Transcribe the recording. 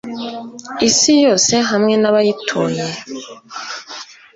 isi yose hamwe n’abayituye